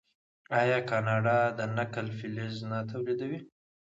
آیا کاناډا د نکل فلز نه تولیدوي؟